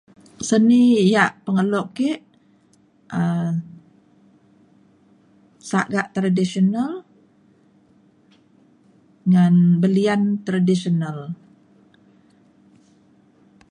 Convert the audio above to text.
seni yak pengelo ke um sagak tradisional ngan belian tradisional.